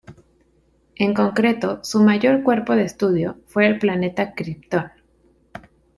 En concreto, su mayor cuerpo de estudio fue el planeta Krypton.